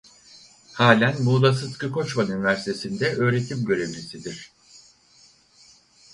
Hâlen Muğla Sıtkı Koçman Üniversitesinde öğretim görevlisidir.